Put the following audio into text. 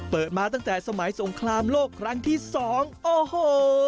เปิดมาตั้งแต่สมัยสงครามโลกครั้งที่สองโอ้โห